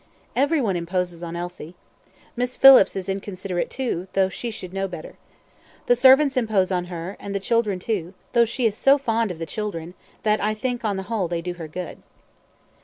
Every one imposes on Elsie. Miss Phillips is inconsiderate, too, though she should know better. The servants impose on her, and the children, too though she is so fond of the children, that I think on the whole they do her good."